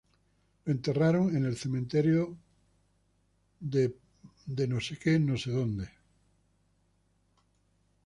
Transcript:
Lo enterraron en el cementerio de Gravesend en Nueva York.